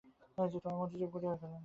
মন্ত্রী চুপ করিয়া গেলেন।